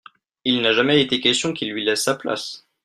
il n'a jamais été question qu'il lui laisse sa place.